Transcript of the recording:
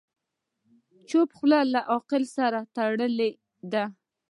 چپه خوله، له عقل سره تړلې ده.